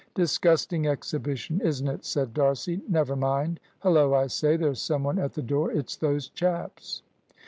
"Disgusting exhibition, isn't it?" said D'Arcy; "never mind. Hullo, I say, there's some one at the door. It's those chaps!"